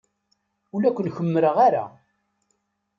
Ur la ken-kemmreɣ ara.